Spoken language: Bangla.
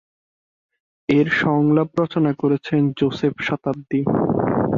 এর সংলাপ রচনা করেছেন যোসেফ শতাব্দী।